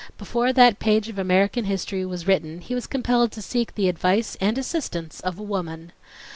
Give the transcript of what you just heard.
Before that page of American history was written he was compelled to seek the advice and assistance of a woman.